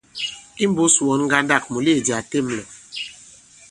Imbūs wɔ̌n ŋgandâk, mùleèdì a těm lɔ̀.